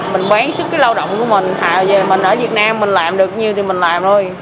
mình bán sức cái lao động của mình thà về mình ở việt nam mình làm được như thì mình làm thôi